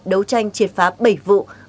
đấu tranh triệt phá bảy vụ